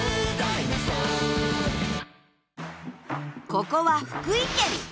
ここは福井県。